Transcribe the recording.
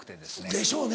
「でしょうね」。